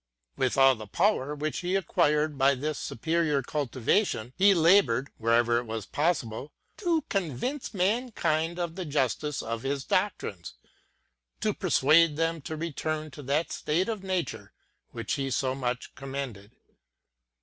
With all the power wdiich he acquired by this superior cultivation, he laboured, wherever it was possible, to convince mankind of the justice of his doctrines, — to persuade them to return to that State of Nature which he so much commended.